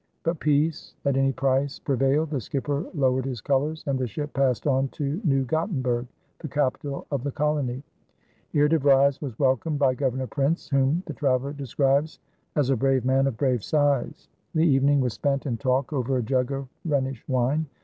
But peace at any price prevailed, the skipper lowered his colors, and the ship passed on to New Gottenburg, the capital of the colony. Here De Vries was welcomed by Governor Printz, whom the traveler describes as "a brave man of brave size." The evening was spent in talk over a jug of Rhenish wine.